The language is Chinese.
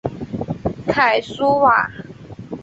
凯苏瓦。